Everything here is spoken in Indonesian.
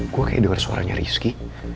gue kayak denger suaranya rizky